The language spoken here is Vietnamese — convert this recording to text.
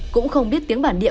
cũng không biết tiếng bản địa